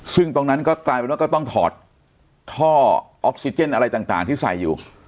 ซึ่งตรงนั้นก็กลายเป็นว่าก็ต้องถอดท่อออกซิเจนอะไรต่างที่ใส่อยู่